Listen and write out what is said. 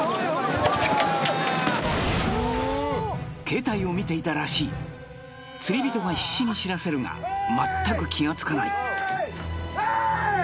携帯を見ていたらしい釣り人が必死に知らせるが全く気がつかないヘーイ！